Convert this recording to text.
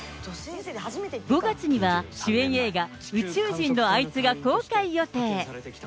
５月には主演映画、宇宙人のあいつが公開予定。